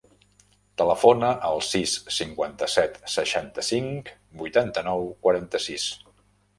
Telefona al sis, cinquanta-set, seixanta-cinc, vuitanta-nou, quaranta-sis.